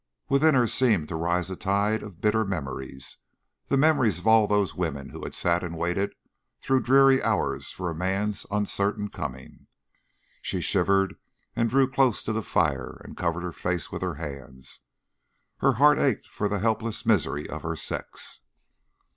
Within her seemed to rise a tide of bitter memories, the memories of all those women who had sat and waited through dreary hours for man's uncertain coming. She shivered and drew close to the fire and covered her face with her hands. Her heart ached for the helpless misery of her sex.